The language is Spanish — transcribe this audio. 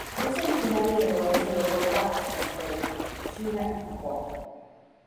Es originaria del oeste de Europa hasta Siberia, China y Japón.